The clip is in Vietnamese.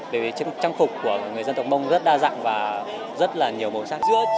bởi vì trang phục của người dân tộc mông rất đa dạng và rất là nhiều màu sắc